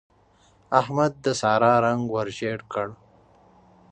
احمد د سارا رنګ ور ژړ کړ.